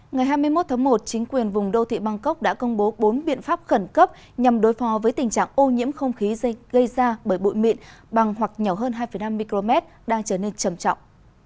ngày hai mươi một tháng một chính quyền vùng đô thị bangkok đã công bố bốn biện pháp khẩn cấp nhằm đối phó với tình trạng ô nhiễm không khí gây ra bởi bụi mịn bằng hoặc nhỏ hơn hai năm micromet đang trở nên trầm trọng